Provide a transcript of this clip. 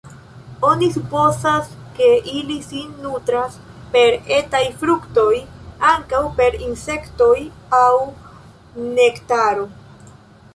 Oni supozas, ke ili sin nutras per etaj fruktoj, ankaŭ per insektoj aŭ nektaro.